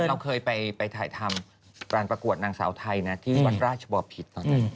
คือเราเคยไปถ่ายทำการประกวดนางสาวไทยนะที่วัดราชบอพิษตอนนั้น